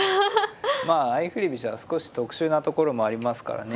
まあ相振り飛車は少し特殊なところもありますからね。